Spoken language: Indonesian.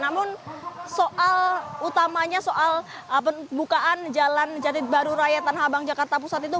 namun soal utamanya soal pembukaan jalan jati baru raya tanah abang jakarta pusat itu